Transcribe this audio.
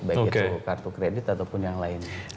baik itu kartu kredit ataupun yang lainnya